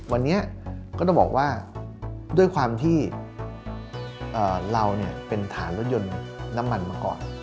วันนี้ก็ต้องบอกว่าด้วยความที่เราเป็นฐานรถยนต์น้ำมันมาก่อน